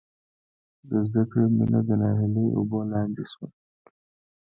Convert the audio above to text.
د زدکړې مینه د ناهیلۍ اوبو لاندې شوه